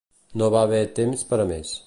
No va haver temps per a més.